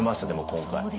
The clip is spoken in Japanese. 今回。